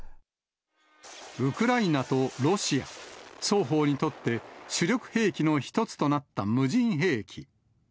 ウクライナとロシア、双方にとって主力兵器の一つとなった無人兵器。